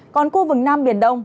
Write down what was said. còn khu vực nam biển đông